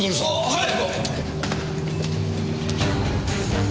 はい！